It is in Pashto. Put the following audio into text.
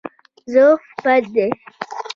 ضعف بد دی.